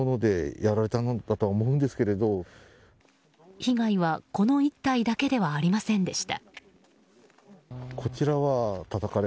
被害は、この１体だけではありませんでした。